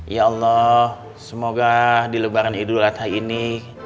ya allah semoga di lebaran idul adha ini